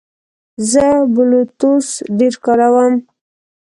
زه بلوتوث ډېر کاروم.